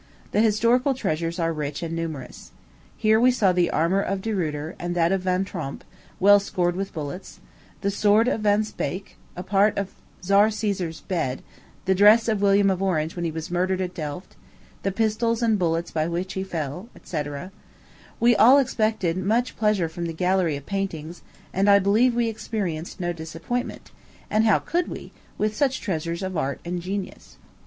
The historical treasures are rich and numerous. Here we saw the armor of De Ruyter, and that of Van Tromp, well scored with bullets; the sword of Van Speyk; a part of Czar Peter's bed; the dress of William of Orange when he was murdered at Delft; the pistol and bullets by which he fell, &c., &c. We all expected much pleasure from the gallery of paintings, and I believe we experienced no disappointment; and how could we, with such treasures of art and genius?